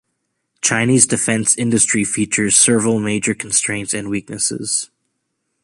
Chinese defense industry features serval major constraints and weaknesses.